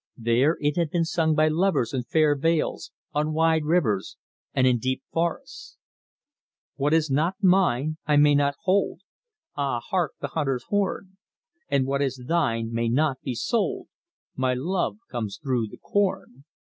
There it had been sung by lovers in fair vales, on wide rivers, and in deep forests: "What is not mine I may not hold, (Ah, hark the hunter's horn!), And what is thine may not be sold, (My love comes through the corn!)